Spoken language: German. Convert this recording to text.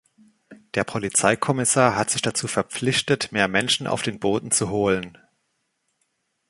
Der Polizeikommissar hat sich dazu verpflichtet, mehr Menschen auf den Boden zu holen.